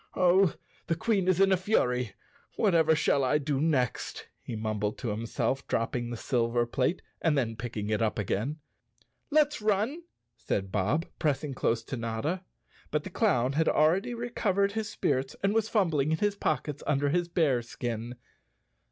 "Oh, the Queen is in a fury, whatever shall I do next," he mumbled to himself, dropping the silver plate and then picking it up again. " Let's run," said Bob, pressing close to Notta. But the clown had already recovered his spirits and was fumbling in his pockets under his bear skin.